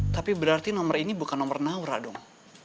tapi berarti nomor ini bukan nomor naura dong